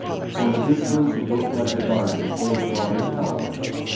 From a distance it looked like a garden full of gaudy flowers.